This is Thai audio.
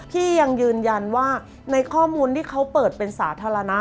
ยังยืนยันว่าในข้อมูลที่เขาเปิดเป็นสาธารณะ